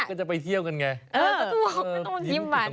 ก็จะไปเที่ยวกันไง